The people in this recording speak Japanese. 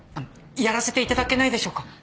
やらせていただけないでしょうか？